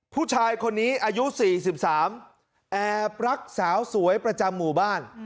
ผู้ชายคนนี้อายุ๔๓แอบรักสาวสวยประจำหมู่บ้าน